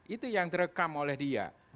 itu yang direkam oleh dia